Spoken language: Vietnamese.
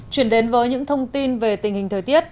chuyển đến với những thông tin về tình hình thời tiết